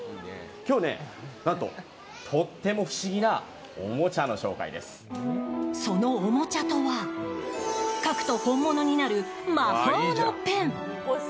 今日は何ととても不思議なそのおもちゃとは描くと本物になる魔法のペン。